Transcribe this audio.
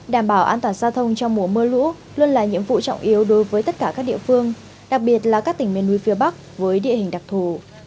đảm bảo an toàn giao thông trong mùa mưa lũ luôn là nhiệm vụ trọng yếu đối với tất cả các địa phương đặc biệt là các tỉnh miền núi phía bắc với địa hình đặc thù